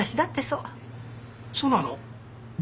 そうなの？